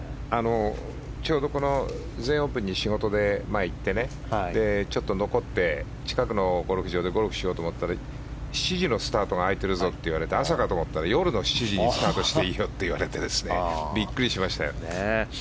ちょうど全英オープンに仕事で前に行ってちょっと残って近くのゴルフ場でゴルフをしようと思ったら７時のスタートが空いてるぞと言われて朝かと思ったら、夜の７時にスタートしていいよと言われてビックリしましたよね。